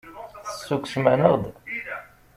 Tessukksem-aneɣ-d.